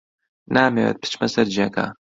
نامەوێت بچمە سەر جێگا.